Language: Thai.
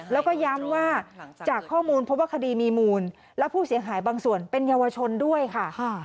แล้วก็ย้ำว่าจากข้อมูลพบว่าคดีมีมูลและผู้เสียหายบางส่วนเป็นเยาวชนด้วยค่ะ